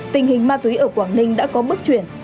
tình hình ma túy ở quảng ninh đã có bước chuyển